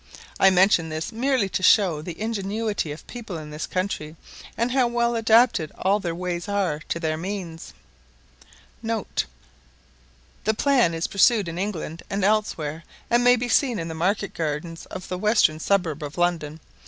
I mention this merely to show the ingenuity of people in this country, and how well adapted all their ways are to their means*. [* The plan is pursued in England and elsewhere, and may be seen in the market gardens on the western suburb of London.